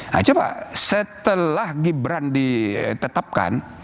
nah coba setelah gibran ditetapkan